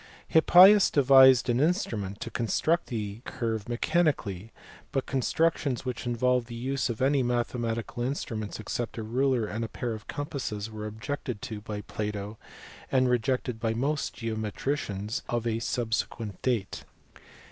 Hippias devised an instrument to construct the curve mechanically; but constructions which involved the use of any mathematical instruments except a ruler and a pair of com passes were objected to by Plato, and rejected by most geometricians of a subsequent date.